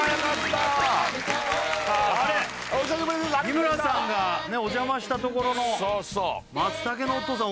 日村さんがお邪魔したところの松茸のお父さん